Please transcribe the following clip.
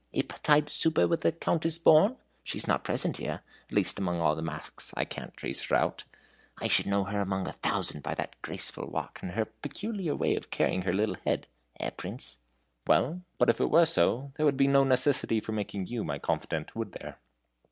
"A petit souper with the Countess Born? She is not present here; at least among all the masks I can't trace her out. I should know her among a thousand by that graceful walk and her peculiar way of carrying her little head eh, Prince?" "Well, but if it were so, there would be no necessity for making you my confidant, would there?"